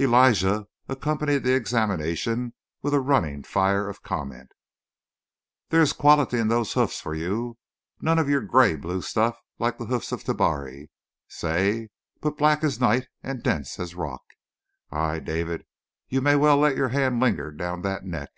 Elijah accompanied the examination with a running fire of comment. "There is quality in those hoofs, for you! None of your gray blue stuff like the hoofs of Tabari, say, but black as night and dense as rock. Aye, David, you may well let your hand linger down that neck.